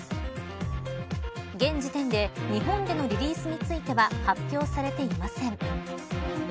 現時点で日本でのリリースについては発表されていません。